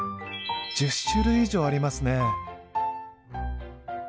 １０種類以上ありますね。